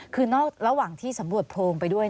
คือนอกระหว่างที่สำรวจโพรงไปด้วย